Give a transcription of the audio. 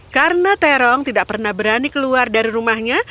karena terong tidak pernah berani keluar dari rumahnya